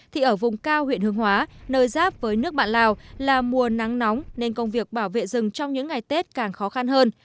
thì ở vùng cao huyện hương hóa nơi giáp với nước bạn lào là mùa nắng nóng nên công việc bảo vệ rừng trong những ngày tết càng khó khăn hơn